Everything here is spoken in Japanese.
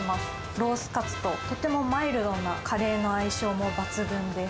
ロースカツととてもマイルドなカレーの相性も抜群です。